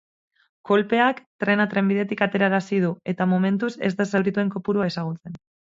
Kolpeak trena trenbidetik aterarazi du, eta momentuz ez da zaurituen kopurua ezagutzen.